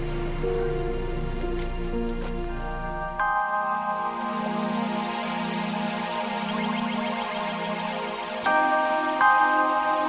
tidak tuhan aku sudah keren lagi